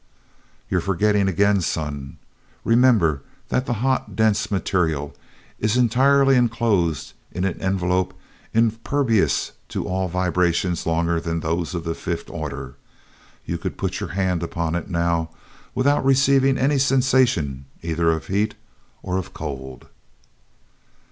"You're forgetting again, son. Remember that the hot, dense material is entirely enclosed in an envelope impervious to all vibrations longer than those of the fifth order. You could put your hand upon it now, without receiving any sensation either of heat, or of cold."